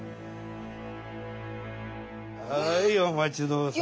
はいお待ち遠さま。